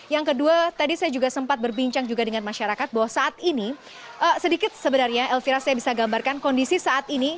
yang kedua tadi saya juga sempat berbincang juga dengan masyarakat bahwa saat ini sedikit sebenarnya elvira saya bisa gambarkan kondisi saat ini